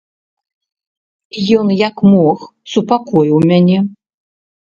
Ён, як мог, супакоіў мяне.